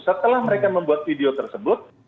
setelah mereka membuat video tersebut